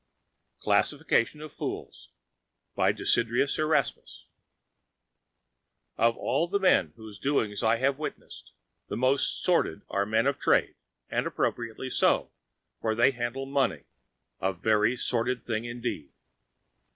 III.—Classification of Fools Of all the men whose doings I have witnessed, the most sordid are men of trade, and appropriately so, for they handle money, a very sordid thing indeed.